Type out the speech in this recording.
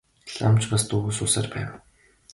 Лам ч бас дуугүй суусаар байв.